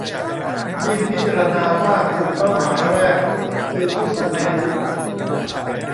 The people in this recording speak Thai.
ยิ่งพิจารณว่ากลุ่มเป้าหมายแรก คือผู้สูงอายุ